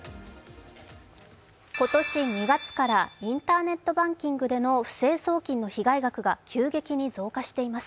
今年２月からインターネットバンキングでの不正送金の被害額が急激に増加しています。